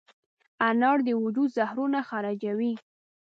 انار د وجود زهرونه خارجوي.